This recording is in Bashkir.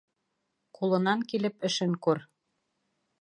Ҡулынан килеп эшен күр.